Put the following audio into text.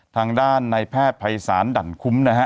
ทางด้านในแพทย์ภัยศาลดั่นคุ้มนะฮะ